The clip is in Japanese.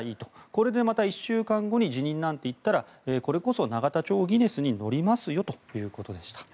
これでまた１週間後に辞任なんていったらこれこそ永田町ギネスに載りますよということでした。